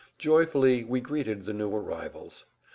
Joyfully we greeted the new arrivals.